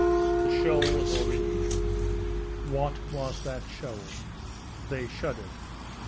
The shoal was Aurigny. What was that shoal? They shuddered.